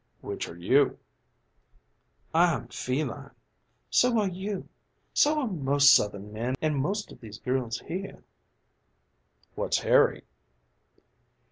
"Which are you?" "I'm feline. So are you. So are most Southern men an' most of these girls here." "What's Harry?"